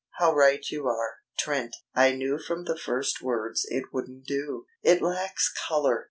"How right you are. Trent, I knew from the first words it wouldn't do. It lacks colour.